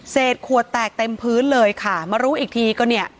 ขวดแตกเต็มพื้นเลยค่ะมารู้อีกทีก็เนี่ย